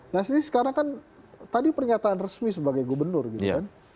nah ini sekarang kan tadi pernyataan resmi sebagai gubernur gitu kan